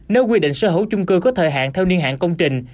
nếu quy định sở hữu chung cư có thời hạn theo niên hạn công trình